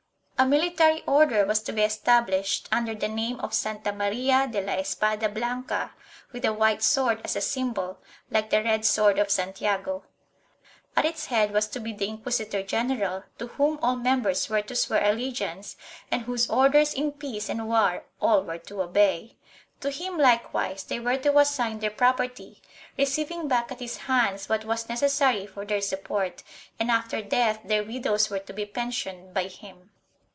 A Military Order was to be established under the name of Santa Maria de la Espada Blanca, with a white swoid as a symbol, like the red sword of Santiago. At its head was to be the inquis itor general, to whom all members were to swear allegiance and whose orders in peace and war all were to obey. To him likewise they were to assign their property, receiving back at his hands what was necessary for their support, and after death their widows were to be pensioned by him.